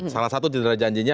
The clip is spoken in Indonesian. salah satu jendera janjinya